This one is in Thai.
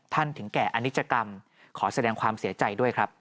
ถึงแก่อนิจกรรมขอแสดงความเสียใจด้วยครับ